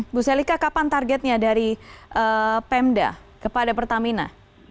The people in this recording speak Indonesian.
bu selika kapan targetnya dari pemda kepada pertamina